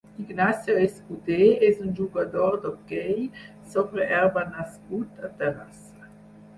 Ignacio Escudé és un jugador d'hoquei sobre herba nascut a Terrassa.